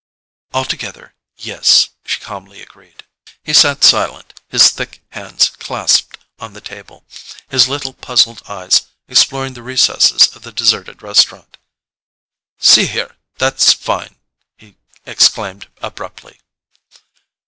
"Altogether—yes," she calmly agreed. He sat silent, his thick hands clasped on the table, his little puzzled eyes exploring the recesses of the deserted restaurant. "See here—that's fine," he exclaimed abruptly.